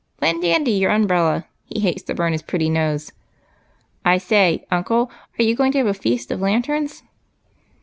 "Lend Dandy your umbrella; he hates to burn his pretty nose." " I say, uncle, are you going to have a Feast of Lanterns